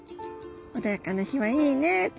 穏やかな日はいいね」と。